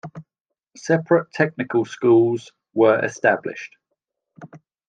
Separate technical schools were established.